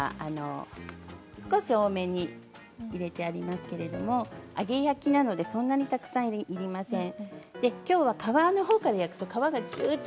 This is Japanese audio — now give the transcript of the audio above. オリーブオイルを少し多めに入れてありますけれども揚げ焼きなのでそんなにたくさんいりません。